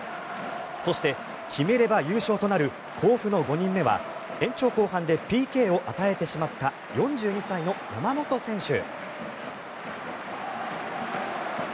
そして、決めれば優勝となる甲府の５人目は延長後半でＰＫを与えてしまった４２歳の山本選手。